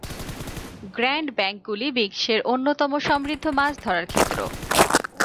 Grand ব্যাংকগুলি বিশ্বের অন্যতম সমৃদ্ধ মাছ ধরার ক্ষেত্র।